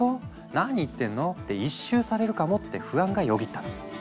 何言ってんの？」って一蹴されるかもって不安がよぎったの。